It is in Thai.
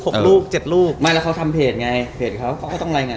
มึงเอาอีกคนนึงเยอะ